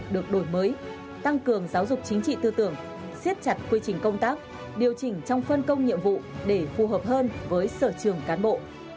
được đổi mới tăng cường giáo dục chính trị tư tưởng siết chặt quy trình công tác điều chỉnh trong phân công nhiệm vụ để phù hợp hơn với sở trường cán bộ